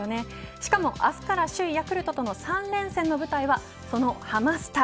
しかも明日から首位ヤクルトとの三連戦の舞台はそのハマスタ。